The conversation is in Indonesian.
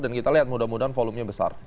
dan kita lihat mudah mudahan volumenya besar